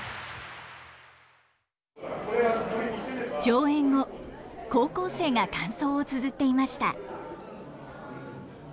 上演後高校生が感想をつづっていました。